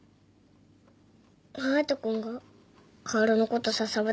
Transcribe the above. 隼人君が薫のことささブタって。